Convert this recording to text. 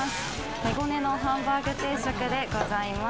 手ごねのハンバーグ定食でございます。